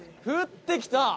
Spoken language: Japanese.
降ってきた。